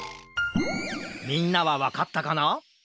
みんなはわかったかな？